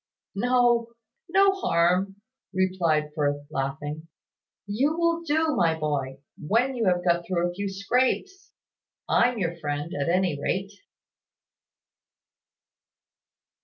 "No no harm," replied Firth, laughing. "You will do, my boy when you have got through a few scrapes. I'm your friend, at any rate."